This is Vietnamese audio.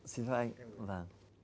xin chào anh và